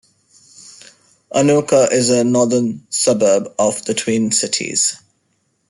Anoka is a northern suburb of the Twin Cities.